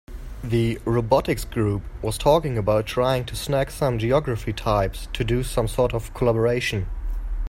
The robotics group was talking about trying to snag some geography types to do some sort of collaboration.